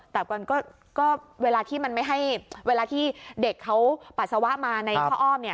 แต่ก็เวลาที่เด็กเขาปรัสสาวะมาในพ่อ้อม